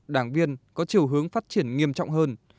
đảng viên có chiều hướng phát triển nghiêm trọng hơn